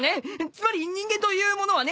つまり人間というものはね！